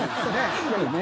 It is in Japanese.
そうね。